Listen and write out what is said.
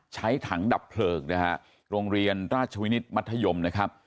ใช้ถังดับเพลิงนะฮะโรงเรียนราชวินิตมัธยมนะครับ